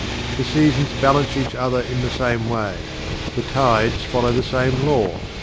The seasons balance each other in the same way. The tides follow the same Law.